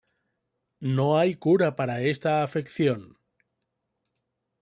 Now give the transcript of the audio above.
No hay cura para esta afección.